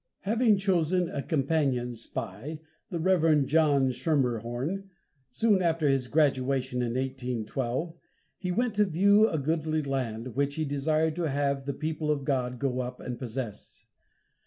Having chosen a companion spy, the Rev. John Schermerhorn, soon after his graduation in 1812, he went to view a goodly land, which he desired to have the people of God go up and possess.